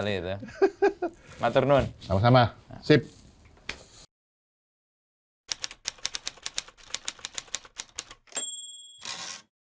iya pada waktu dengan pak haidar ya